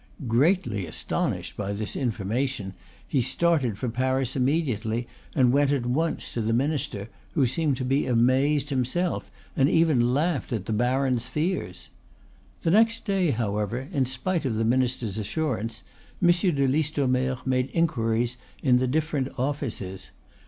Greatly astonished by this information he started for Paris immediately, and went at once to the minister, who seemed to be amazed himself, and even laughed at the baron's fears. The next day, however, in spite of the minister's assurance, Monsieur de Listomere made inquiries in the different offices.